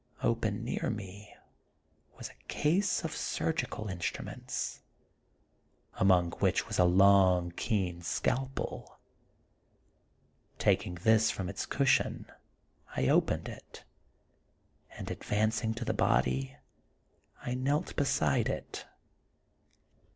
Open, near me, was a case of surgical instruments, among which was a long, keen scalpel ; taking this from its cushion, I opened it, and advancing to the body, I knelt beside it.